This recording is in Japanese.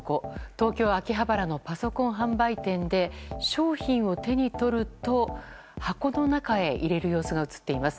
東京・秋葉原のパソコン販売店で商品を手に取ると箱の中へ入れる様子が映っています。